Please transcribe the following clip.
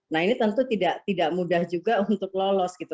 nah ini tentu tidak mudah juga untuk lolos gitu